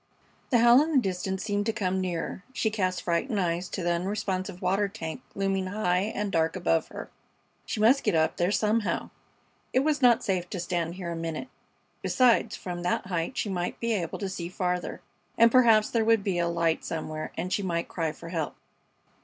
The howl in the distance seemed to come nearer. She cast frightened eyes to the unresponsive water tank looming high and dark above her. She must get up there somehow. It was not safe to stand here a minute. Besides, from that height she might be able to see farther, and perhaps there would be a light somewhere and she might cry for help.